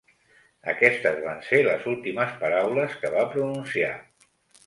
Aquestes van ser les últimes paraules que va pronunciar.